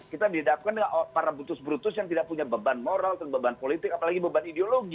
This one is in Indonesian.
kita dihadapkan dengan para brutus brutus yang tidak punya beban moral atau beban politik apalagi beban ideologi